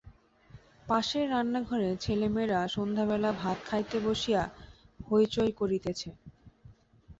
পাশের রান্নাঘরে ছেলেমেয়েরা সন্ধ্যাবেলা ভাত খাইতে বসিয়া হৈ চৈ করিতেছে।